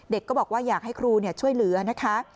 ก็บอกว่าอยากให้ครูช่วยเหลือนะคะ